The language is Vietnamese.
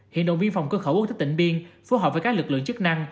hiện động viên phòng cơ khẩu quốc tế tỉnh biên phù hợp với các lực lượng chức năng